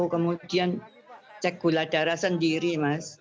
kemudian cek gula darah sendiri mas